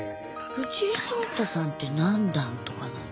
藤井聡太さんって何段？